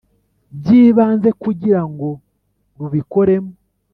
by ibanze kugira ngo rubikoremo